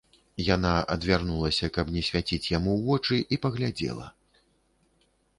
Яна адвярнулася, каб не свяціць яму ў вочы, і паглядзела.